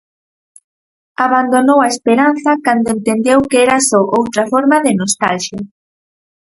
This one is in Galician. Abandonou a esperanza cando entendeu que era só outra forma de nostalxia.